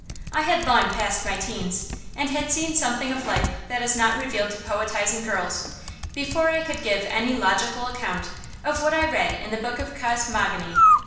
I had long passed my teens, and had seen something of life that is not revealed to poetizing girls, before I could give any logical account of what I read in the book of cosmogony.